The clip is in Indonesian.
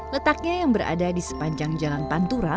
letaknya yang berada di sepanjang jalan pantura